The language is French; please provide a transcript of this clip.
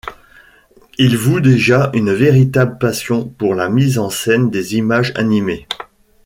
Il voue déjà une véritable passion pour la mise en scène des images animées.